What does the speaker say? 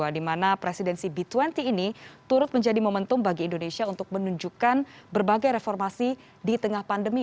di mana presidensi b dua puluh ini turut menjadi momentum bagi indonesia untuk menunjukkan berbagai reformasi di tengah pandemi